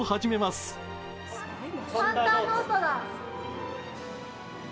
すごい！